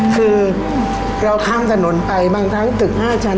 คือเราข้ามถนนไปบางทั้งตึก๕ชั้น